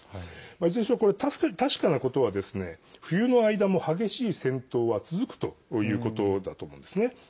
いずれにしろ確かなことは冬の間も激しい戦闘は続くということだと思うんですね。